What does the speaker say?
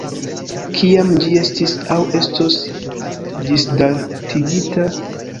Kiam ĝi estis aŭ estos ĝisdatigita?